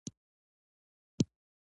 حاشیه د عربي ژبي ټکی دﺉ.